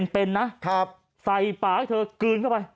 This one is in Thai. เป็นนะใส่ปากให้เธอกลืนเข้าไป